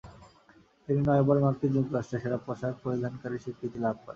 তিনি নয়বার মার্কিন যুক্তরাষ্ট্রে সেরা পোশাক পরিধানকারীর স্বীকৃতি লাভ করেন।